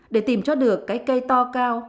để tìm cho được cái cây to cao